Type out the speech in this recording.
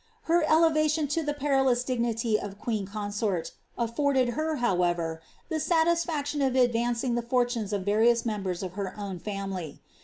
Uer elevation to the perilous dignity of queen consort T, however, the satisfaction of advancing the fortunes of vari •ers of her own family.